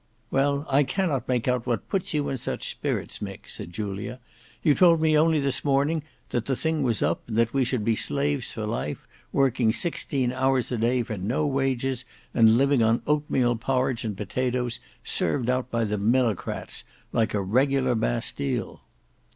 '" "Well, I cannot make out what puts you in such spirits, Mick," said Julia. "You told me only this morning that the thing was up, and that we should soon be slaves for life; working sixteen hours a day for no wages, and living on oatmeal porridge and potatoes, served out by the millocrats like a regular Bastile."